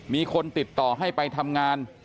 มีคนติดต่อให้ไปทำงาน